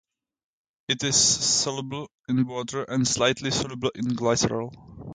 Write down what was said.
It is soluble in water and slightly soluble in glycerol.